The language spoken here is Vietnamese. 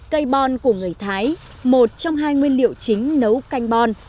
cây bon của người thái một trong hai nguyên liệu chính nấu canh bon